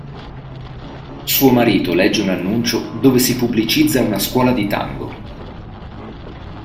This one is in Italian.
Suo marito legge un annuncio dove si pubblicizza una scuola di tango.